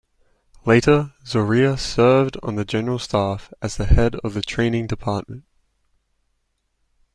Later, Zorea served on the General Staff as the head of the training department.